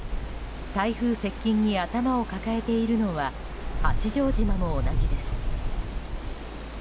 台風接近に頭を抱えているのは八丈島も同じです。